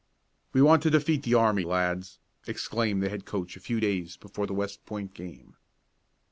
"We want to defeat the army lads!" exclaimed the head coach a few days before the West Point game.